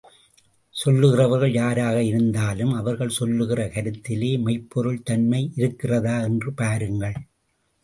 சொல்லுகிறவர்கள் யாராக இருந்தாலும் அவர்கள் சொல்லுகிற கருத்திலே மெய்ப்பொருள் தன்மை இருக்கிறதா என்று பாருங்கள்.